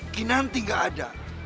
ini nanti nggak ada